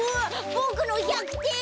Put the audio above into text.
ボクの１００てん。